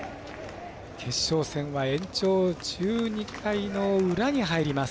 決勝戦は延長１２回の裏に入ります。